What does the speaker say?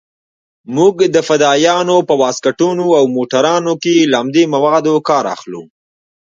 موږ د فدايانو په واسکټونو او موټرانو کښې له همدې موادو کار اخلو.